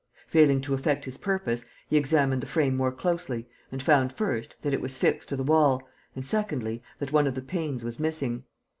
Failing to effect his purpose, he examined the frame more closely and found, first, that it was fixed to the wall and, secondly, that one of the panes was missing.